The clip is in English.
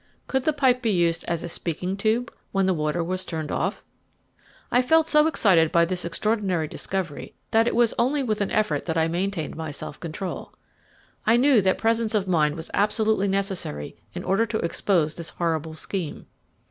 Could the pipe be used as a speaking tube when the water was turned off? I felt so excited by this extraordinary discovery that it was only with an effort that I maintained my self control. I knew that presence of mind was absolutely necessary in order to expose this horrible scheme.